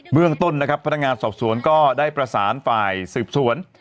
เมืองต้นนะครับพนักงานสอบสวนก็ได้ประสานฝ่ายสืบสวน